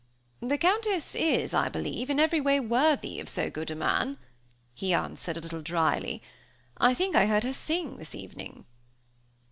"The Countess is, I believe, in every way worthy of so good a man," he answered, a little dryly. "I think I heard her sing this evening."